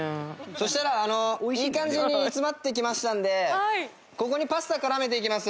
そうしたらいい感じに煮詰まってきましたのでここにパスタ絡めていきます。